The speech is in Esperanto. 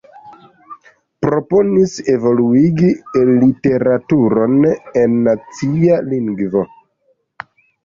Proponis evoluigi literaturon en nacia lingvo.